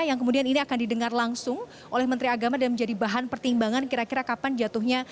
yang kemudian ini akan didengar langsung oleh menteri agama dan menjadi bahan pertimbangan kira kira kapan jatuhnya